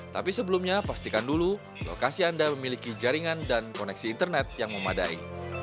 tapi sebelumnya pastikan dulu lokasi anda memiliki jaringan dan koneksi internet yang memadai